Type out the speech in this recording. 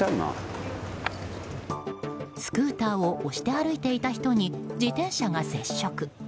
スクーターを押して歩いていた人に自転車が接触。